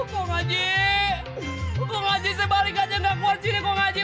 kau ngaji kau ngaji sebalik aja gak keluar sini kau ngaji